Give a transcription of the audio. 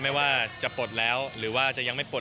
ไม่ว่าจะปลดแล้วหรือว่าจะยังไม่ปลด